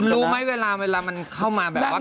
รู้ไหมเวลามันเข้ามาแบบว่า